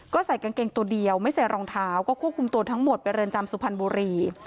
ก็ใส่กางเกงตัวเดียวไม่ใส่รองเท้าก็ควบคุมตัวทั้งหมดไปเรือนจำสุพรรณบุรี